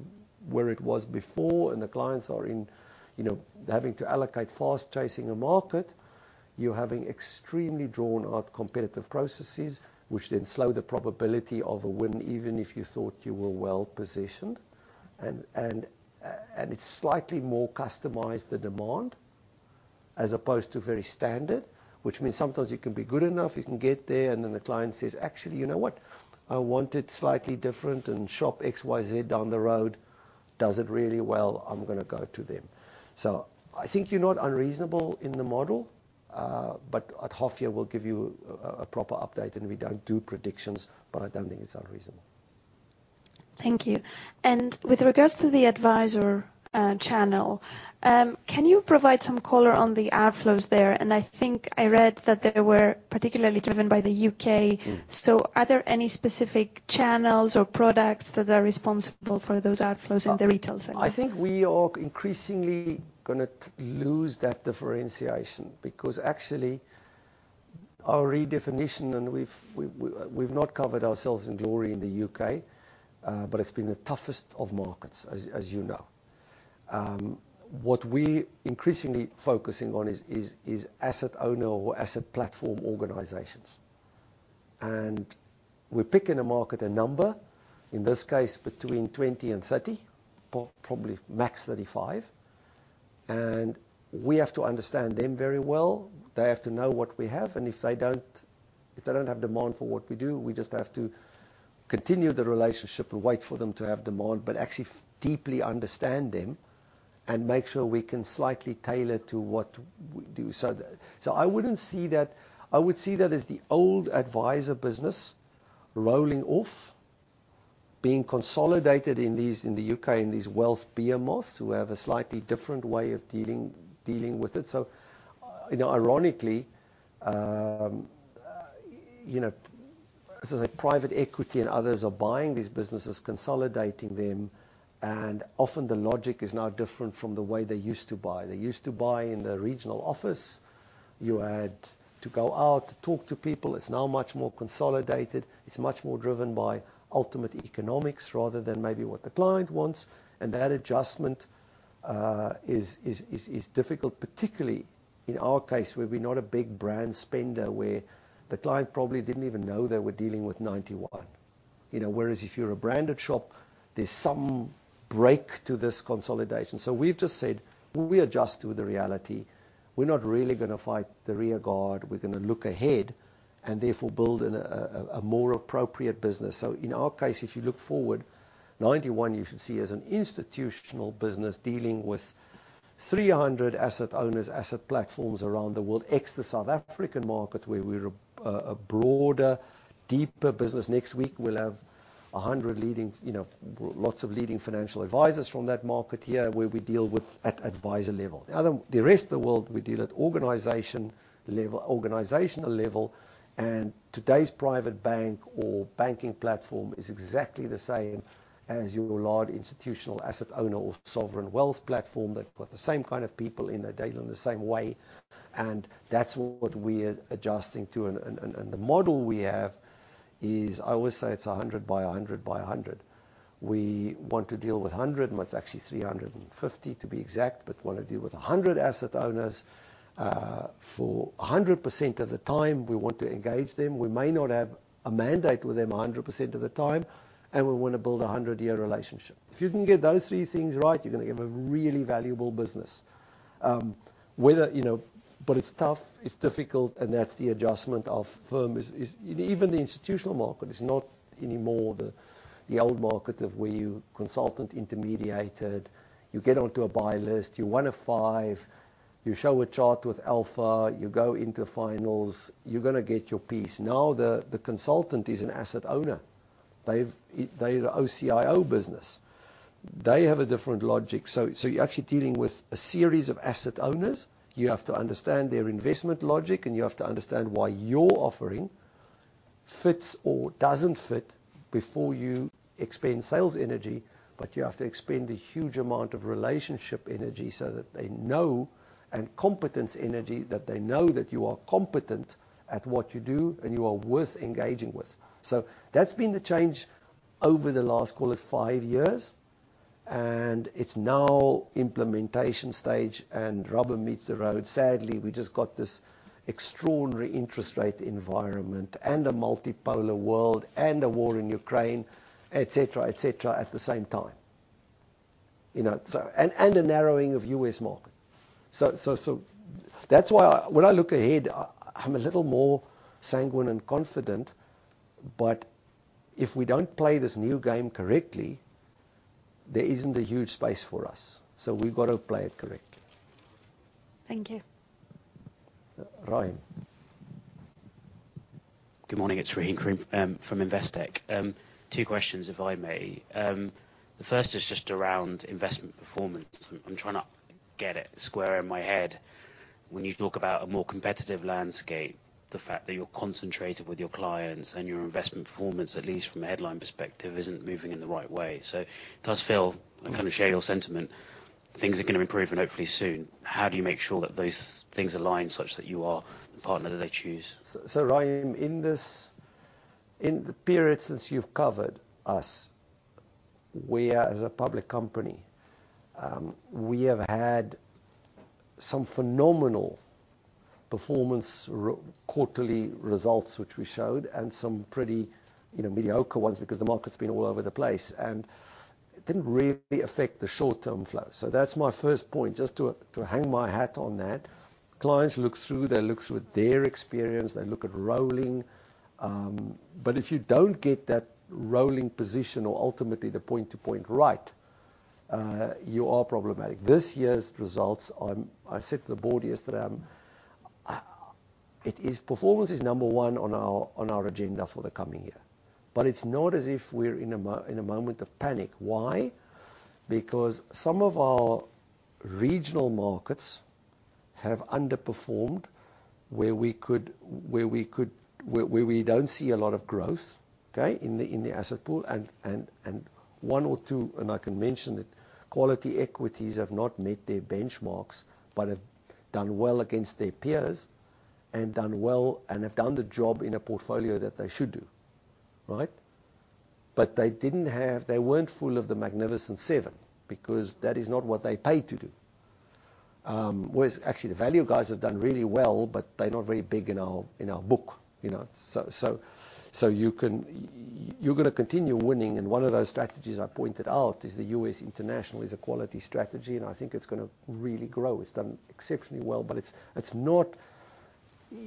where it was before, and the clients are in, you know, having to allocate fast, chasing a market, you're having extremely drawn-out competitive processes, which then slow the probability of a win, even if you thought you were well-positioned.... And it's slightly more customized, the demand, as opposed to very standard, which means sometimes it can be good enough, you can get there, and then the client says, "Actually, you know what? I want it slightly different, and shop XYZ down the road does it really well. I'm gonna go to them." So I think you're not unreasonable in the model, but at half year, we'll give you a proper update, and we don't do predictions, but I don't think it's unreasonable. Thank you. With regards to the advisor channel, can you provide some color on the outflows there? I think I read that they were particularly driven by the U.K. Mm. Are there any specific channels or products that are responsible for those outflows in the retail sector? I think we are increasingly gonna lose that differentiation because actually our redefinition, and we've not covered ourselves in glory in the U.K., but it's been the toughest of markets, as you know. What we increasingly focusing on is asset owner or asset platform organizations. And we're picking a market, a number, in this case, between 20 and 30, probably max 35. And we have to understand them very well. They have to know what we have, and if they don't, if they don't have demand for what we do, we just have to continue the relationship and wait for them to have demand, but actually deeply understand them and make sure we can slightly tailor to what we do. So I wouldn't see that... I would see that as the old advisor business rolling off, being consolidated in these, in the U.K., in these wealth PMs, who have a slightly different way of dealing with it. So, you know, ironically, you know, as private equity and others are buying these businesses, consolidating them, and often the logic is now different from the way they used to buy. They used to buy in the regional office. You had to go out to talk to people. It's now much more consolidated. It's much more driven by ultimate economics rather than maybe what the client wants. And that adjustment is difficult, particularly in our case, where we're not a big brand spender, where the client probably didn't even know they were dealing with Ninety One. You know? Whereas if you're a branded shop, there's some break to this consolidation. So we've just said, "We adjust to the reality. We're not really gonna fight the rearguard. We're gonna look ahead and therefore build a more appropriate business." So in our case, if you look forward, Ninety One, you should see as an institutional business dealing with 300 asset owners, asset platforms around the world, ex the South African market, where we're a broader, deeper business. Next week, we'll have 100 leading... You know, lots of leading financial advisors from that market here, where we deal with at advisor level. Now, the rest of the world, we deal at organization level, organizational level, and today's private bank or banking platform is exactly the same as your large institutional asset owner or sovereign wealth platform. They've got the same kind of people in there, dealt in the same way, and that's what we're adjusting to. The model we have is... I always say it's 100 by 100 by 100. We want to deal with 100, well, it's actually 350, to be exact, but wanna deal with 100 asset owners. For 100% of the time, we want to engage them. We may not have a mandate with them 100% of the time, and we wanna build a 100-year relationship. If you can get those three things right, you're gonna have a really valuable business. Whether, you know... But it's tough, it's difficult, and that's the adjustment of firm is. Even the institutional market is not anymore the old market of where the consultant intermediated, you get onto a buy list, you're one of five, you show a chart with alpha, you go into finals, you're gonna get your piece. Now, the consultant is an asset owner. They've, they are OCIO business. They have a different logic. So, you're actually dealing with a series of asset owners. You have to understand their investment logic, and you have to understand why your offering fits or doesn't fit before you expend sales energy. But you have to expend a huge amount of relationship energy so that they know and competence energy, that they know that you are competent at what you do and you are worth engaging with. So that's been the change over the last, call it, five years, and it's now implementation stage, and rubber meets the road. Sadly, we just got this extraordinary interest rate environment and a multipolar world and a war in Ukraine, et cetera, et cetera, at the same time. You know, so, and, and a narrowing of U.S. market. So, so, so that's why when I look ahead, I'm a little more sanguine and confident. But if we don't play this new game correctly, there isn't a huge space for us, so we've got to play it correctly. Thank you. Ryan? Good morning, it's Ryan from Investec. Two questions, if I may. The first is just around investment performance. I'm trying to get it square in my head when you talk about a more competitive landscape, the fact that you're concentrated with your clients and your investment performance, at least from a headline perspective, isn't moving in the right way. So it does feel, I kind of share your sentiment, things are gonna improve and hopefully soon. How do you make sure that those things align such that you are the partner that they choose? So, Ryan, in this, in the period since you've covered us, we as a public company, we have had some phenomenal performance, quarterly results, which we showed, and some pretty, you know, mediocre ones because the market's been all over the place, and it didn't really affect the short-term flow. So that's my first point, just to hang my hat on that. Clients look through, they look through their experience, they look at rolling. But if you don't get that rolling position or ultimately the point to point right, you are problematic. This year's results, I said to the board yesterday, it is performance is number one on our agenda for the coming year. But it's not as if we're in a moment of panic. Why? Because some of our regional markets have underperformed where we don't see a lot of growth, okay? In the asset pool. And one or two, and I can mention it, quality equities have not met their benchmarks, but have done well against their peers and done well and have done the job in a portfolio that they should do. Right? But they didn't have... They weren't full of the Magnificent Seven, because that is not what they paid to do. Whereas actually the value guys have done really well, but they're not very big in our book, you know. So you can... You're gonna continue winning, and one of those strategies I pointed out is the U.S., International is a quality strategy, and I think it's gonna really grow. It's done exceptionally well, but it's not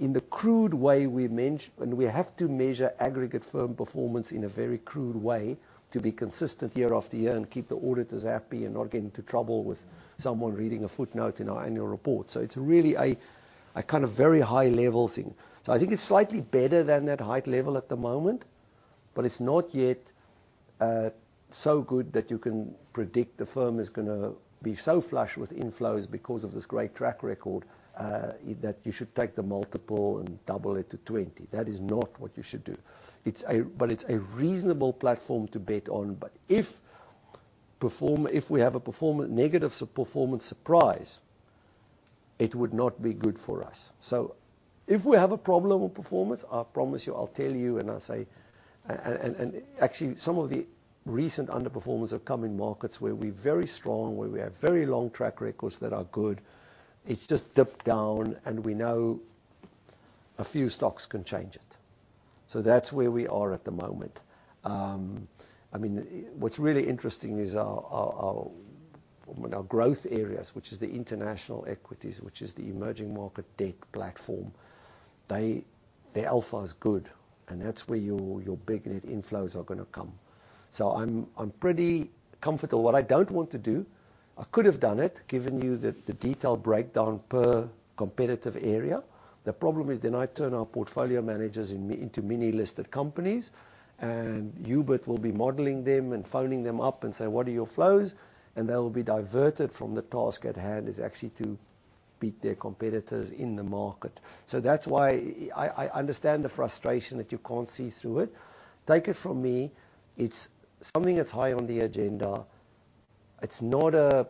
in the crude way we mention. And we have to measure aggregate firm performance in a very crude way to be consistent year after year and keep the auditors happy and not get into trouble with someone reading a footnote in our annual report. So it's really a kind of very high-level thing. So I think it's slightly better than that high level at the moment, but it's not yet so good that you can predict the firm is gonna be so flush with inflows because of this great track record that you should take the multiple and double it to 20. That is not what you should do. It's but it's a reasonable platform to bet on. But if we have a negative performance surprise, it would not be good for us. So if we have a problem with performance, I promise you, I'll tell you, and I'll say... And actually, some of the recent underperformance have come in markets where we're very strong, where we have very long track records that are good. It's just dipped down, and we know a few stocks can change it. So that's where we are at the moment. I mean, what's really interesting is our growth areas, which is the international equities, which is the emerging market debt platform, they, their alpha is good, and that's where your big net inflows are gonna come. So I'm pretty comfortable. What I don't want to do, I could have done it, given you the detailed breakdown per competitive area. The problem is, then I turn our portfolio managers in, into mini-listed companies, and Hubert will be modeling them and phoning them up and say: "What are your flows?" And they will be diverted from the task at hand, is actually to beat their competitors in the market. So that's why I understand the frustration that you can't see through it. Take it from me, it's something that's high on the agenda. It's not a,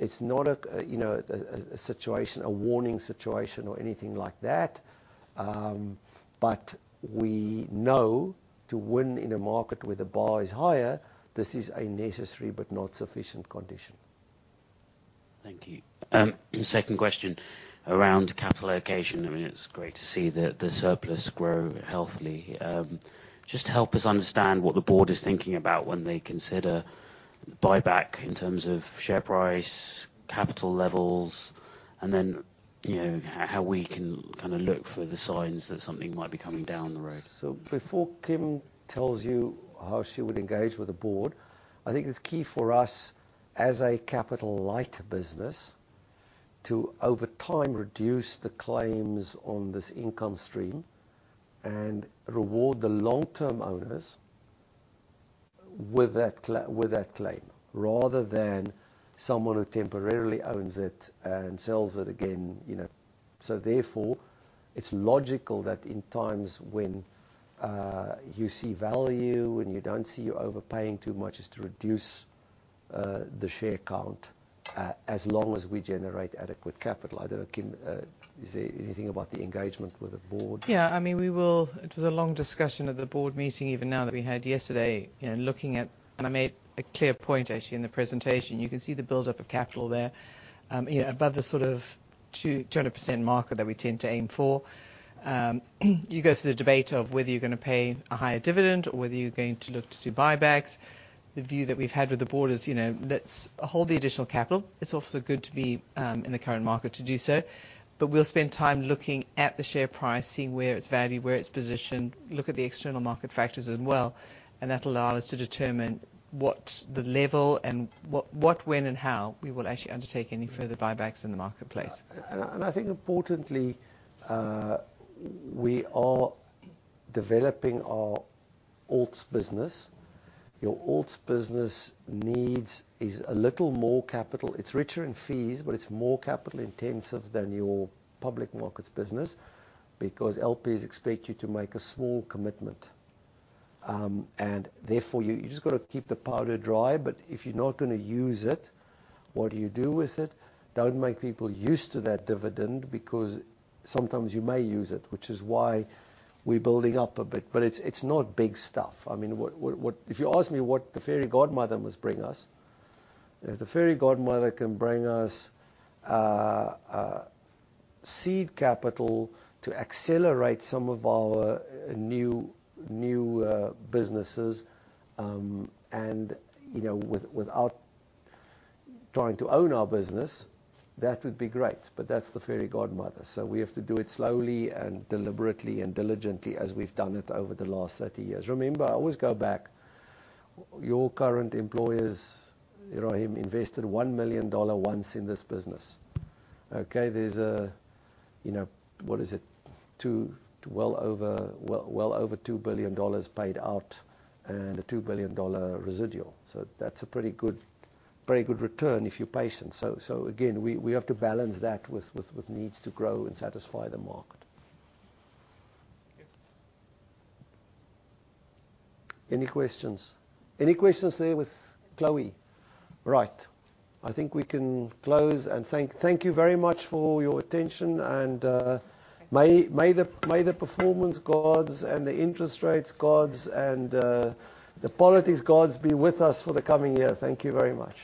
you know, a situation, a warning situation or anything like that, but we know to win in a market where the bar is higher, this is a necessary but not sufficient condition. Thank you. Second question, around capital allocation. I mean, it's great to see the surplus grow healthily. Just help us understand what the board is thinking about when they consider buyback in terms of share price, capital levels, and then, you know, how we can kind of look for the signs that something might be coming down the road. So before Kim tells you how she would engage with the board, I think it's key for us, as a capital light business, to, over time, reduce the claims on this income stream and reward the long-term owners with that claim, rather than someone who temporarily owns it and sells it again, you know. So therefore, it's logical that in times when you see value and you don't see you're overpaying too much, is to reduce the share count as long as we generate adequate capital. I don't know, Kim, is there anything about the engagement with the board? Yeah, I mean, we will. It was a long discussion at the board meeting, even now that we had yesterday, you know, looking at... And I made a clear point, actually, in the presentation. You can see the buildup of capital there, you know, above the sort of 200% marker that we tend to aim for. You go through the debate of whether you're gonna pay a higher dividend or whether you're going to look to do buybacks. The view that we've had with the board is, you know, let's hold the additional capital. It's also good to be, in the current market to do so. We'll spend time looking at the share price, seeing where it's valued, where it's positioned, look at the external market factors as well, and that'll allow us to determine what the level and what, when, and how we will actually undertake any further buybacks in the marketplace. I think importantly, we are developing our alts business. Your alts business needs is a little more capital. It's richer in fees, but it's more capital intensive than your public markets business because LPs expect you to make a small commitment. And therefore, you just got to keep the powder dry. But if you're not gonna use it, what do you do with it? Don't make people used to that dividend, because sometimes you may use it, which is why we're building up a bit. But it's not big stuff. I mean, what... If you ask me what the fairy godmother must bring us, if the fairy godmother can bring us, a seed capital to accelerate some of our new businesses, and, you know, without trying to own our business, that would be great. But that's the fairy godmother, so we have to do it slowly and deliberately and diligently as we've done it over the last 30 years. Remember, I always go back. Your current employers, I believe, invested $1 million once in this business, okay? There's a, you know, what is it? Well over $2 billion dollars paid out and a $2 billion dollar residual. So that's a pretty good, pretty good return if you're patient. So again, we have to balance that with needs to grow and satisfy the market. Thank you. Any questions? Any questions there with Chloe? Right. I think we can close and thank... Thank you very much for your attention and, may the performance gods and the interest rates gods and, the politics gods be with us for the coming year. Thank you very much.